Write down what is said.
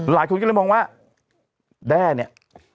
หลายคนก็เลยมองว่าแด้เนี่ย